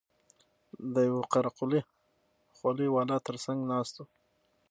د يوه قره قلي خولۍ والا تر څنگ ناست و.